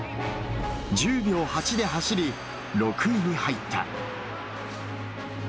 １０秒８で走り６位に入った。